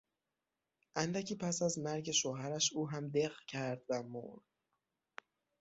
اندکی پس از مرگ شوهرش او هم دق کرد و مرد.